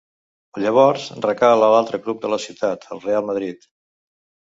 Llavors recala a l'altre club de la ciutat, el Reial Madrid.